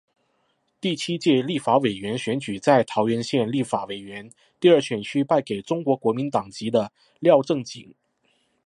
第七届立法委员选举在桃园县立法委员第二选举区败给中国国民党籍的廖正井。